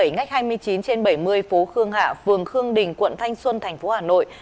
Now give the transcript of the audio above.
ngách hai mươi chín trên bảy mươi phố khương hạ phường khương đình quận thanh xuân thành phố hà nội